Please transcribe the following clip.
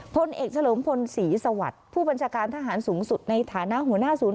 พลเอกเฉลิมพลศรีสวัสดิ์ผู้บัญชาการทหารสูงสุดในฐานะหัวหน้าศูนย์